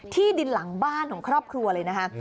ที่ดินหลังบ้านของครอบครัวเลยนะคะ